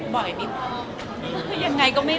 บ่อยยังไงก็ไม่พอ